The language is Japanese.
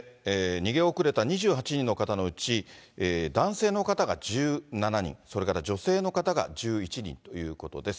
逃げ遅れた２８人のうち、男性の方が１７人、それから女性の方が１１人ということです。